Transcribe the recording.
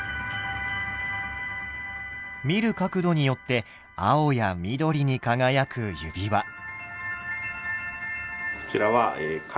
見る角度によって青や緑に輝く指輪。